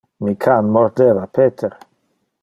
Mi can mordeva Peter.